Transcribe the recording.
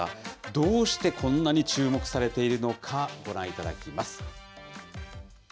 どうしてこんなに注目されているのか、ご覧いただきます。